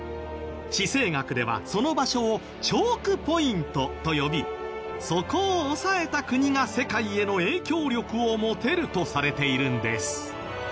地政学ではその場所をチョークポイントと呼びそこを押さえた国が世界への影響力を持てるとされているんです。